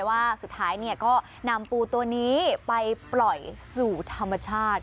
ว่าสุดท้ายก็นำปูตัวนี้ไปปล่อยสู่ธรรมชาติ